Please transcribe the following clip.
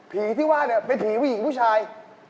พี่ที่ว่าเป็นผีผู้หญิงผู้ชาย